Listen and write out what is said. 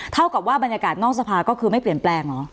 เท่ากับว่าบรรยากาศนอกสภาก็คือไม่เปลี่ยนแปลงเหรอ